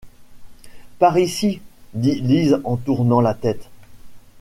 Par ici, dit Lise en tournant la tête.